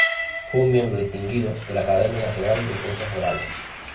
Fue un Miembro distinguido de la Academia Nacional de Ciencias Morales.